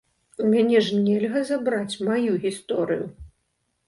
У мяне ж нельга забраць маю гісторыю!